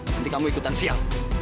nanti kamu ikutan sial